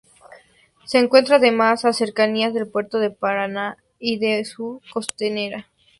Se encuentra además, a cercanías del Puerto de Paraná y de su Costanera.